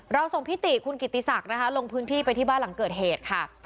ส่งพิติคุณกิติศักดิ์นะคะลงพื้นที่ไปที่บ้านหลังเกิดเหตุค่ะ